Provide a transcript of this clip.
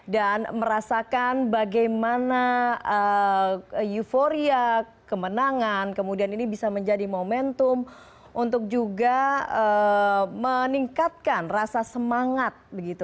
merasakan bagaimana euforia kemenangan kemudian ini bisa menjadi momentum untuk juga meningkatkan rasa semangat